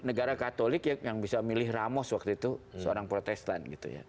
negara katolik yang bisa memilih ramos waktu itu seorang protestan